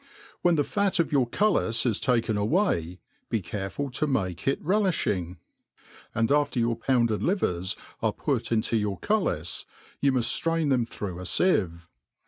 When the fat of your cuftis is taken away, be careful to make ir reitfliing ; and after your pounded livers are put into your CQliis, you muft ftrain them through a (ieve.